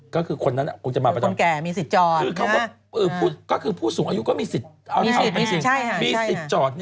ก็คือคนและคงจะมาก็คือผู้สูงอายุมีสิทธิ์ชอด